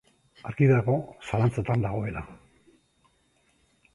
Argi dago zalantzatan dagoela.